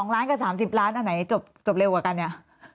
ล้านกับ๓๐ล้านอันไหนจบเร็วกว่ากันเนี่ย